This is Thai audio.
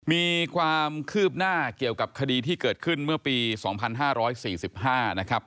มีความคืบหน้าเกี่ยวกับคดีที่เกิดขึ้นเมื่อปีสองพันห้าร้อยสี่สิบห้านะครับ